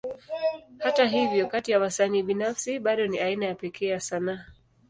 Hata hivyo, kati ya wasanii binafsi, bado ni aina ya pekee ya sanaa.